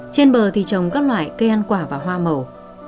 trên bờ thì trồng các loại cây ăn quả và hoa màu